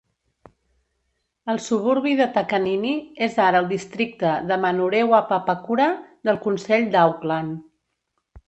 El suburbi de Takanini és ara al districte de Manurewa-Papakura del consell d'Auckland.